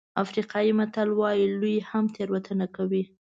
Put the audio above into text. افریقایي متل وایي لوی هم تېروتنه کوي.